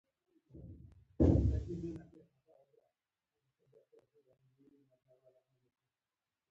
د هند بهرنیو چارو وزیر